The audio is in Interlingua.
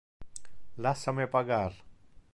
Lassa me pagar.